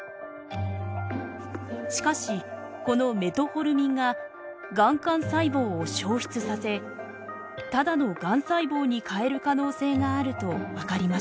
しかしこのメトホルミンががん幹細胞を消失させただのがん細胞に変える可能性があるとわかりました。